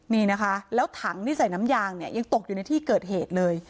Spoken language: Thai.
นี่นะคะแล้วถังที่ใส่น้ำยางเนี่ยยังตกอยู่ในที่เกิดเหตุเลย